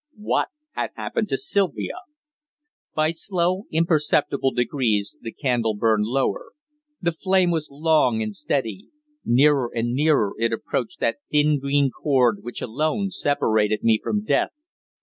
What had happened to Sylvia? By slow, imperceptible degrees the candle burned lower. The flame was long and steady. Nearer and nearer it approached that thin green cord which alone separated me from death.